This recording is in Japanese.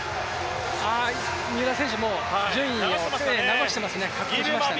三浦選手、もう流していますね。